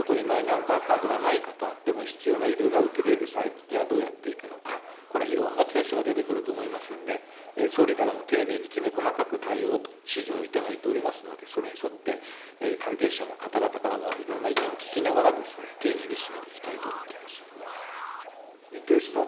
あるいは何かの事情で、手元にマイナンバーカードがない方でも必要な医療が受けれる際にはどうやっていくのか、これ、いろんなケースが出てくると思いますんで、総理からも丁寧にきめ細かく対応をと指示を頂いておりますので、それに沿って、関係者の方々からもいろんな意見を聞きながら、丁寧に進めていきたいと思っています。